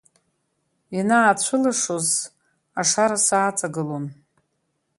Ианаацәылашоз, ашара сааҵагылон.